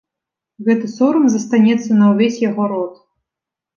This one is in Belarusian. Гэты сорам застанецца на ўвесь яго род.